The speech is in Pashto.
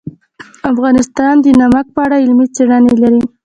افغانستان د نمک په اړه علمي څېړنې لري.